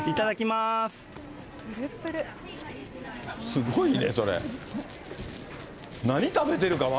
すごいね、それ。